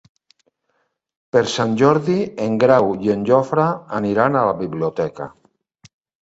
Per Sant Jordi en Grau i en Jofre aniran a la biblioteca.